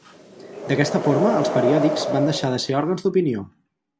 D'aquesta forma els periòdics van deixar de ser òrgans d'opinió.